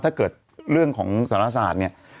ถ้าเกิดเรื่องของสารศาสตร์เนี่ย